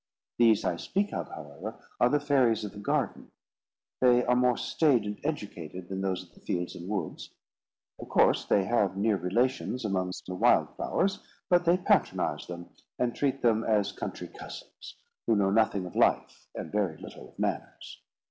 These I speak of, however, are the fairies of the garden. They are more staid and educated than those of the fields and woods. Of course they have near relations amongst the wild flowers, but they patronise them, and treat them as country cousins, who know nothing of life, and very little of manners.